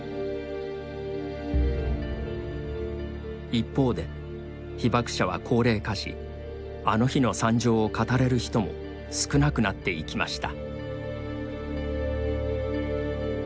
一方で、被爆者は高齢化しあの日の惨状を語れる人も少なくなっていきました。